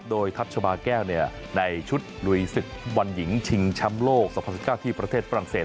โดยทัศน์ชมาแก้วในชุดรุยศึกฝุ่นวันหญิงชิงช้ำโลก๒๐๑๙ที่ประเทศฝรั่งเศส